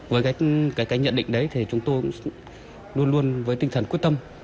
với cái nhận định đấy thì chúng tôi luôn luôn với tinh thần quyết tâm